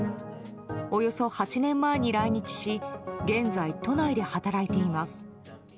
およそ８年前に来日し現在、都内で働いています。